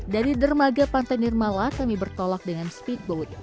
dari dermaga pantai nirmala kami bertolak dengan speedboat